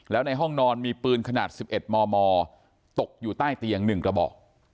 แล้วในห้องนอนมีปืนขนาดสิบเอ็ดมมตกอยู่ใต้เตียงหนึ่งระบอก